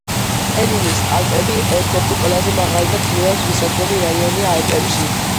პენინის ალპები ერთ-ერთი ყველაზე მაღალი და ძნელად მისადგომი რაიონია ალპებში.